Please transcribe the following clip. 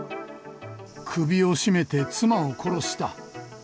首を絞めて妻を殺した。